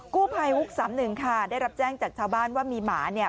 กู้ภัยฮุก๓๑ค่ะได้รับแจ้งจากชาวบ้านว่ามีหมาเนี่ย